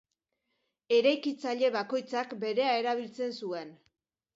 Eraikitzaile bakoitzak berea erabiltzen zuen.